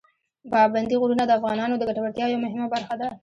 پابندي غرونه د افغانانو د ګټورتیا یوه مهمه برخه ده.